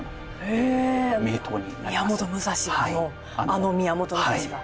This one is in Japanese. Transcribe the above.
あのあの宮本武蔵が。